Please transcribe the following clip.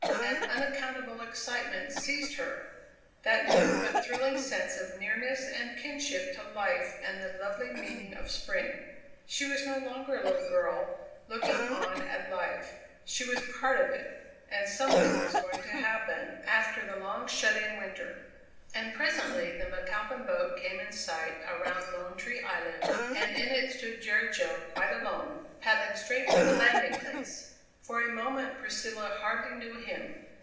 An unaccountable excitement seized her that new but thrilling sense of nearness and kinship to life and the lovely meaning of spring. She was no longer a little girl looking on at life; she was part of it; and something was going to happen after the long shut in winter! And presently the McAlpin boat came in sight around Lone Tree Island and in it stood Jerry Jo quite alone, paddling straight for the landing place! For a moment Priscilla hardly knew him.